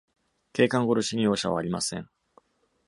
警官殺しに容赦はありません！